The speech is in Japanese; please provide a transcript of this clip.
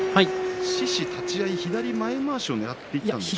獅司、立ち合い左前まわしをねらっていきましたか。